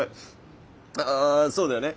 あそうだよね。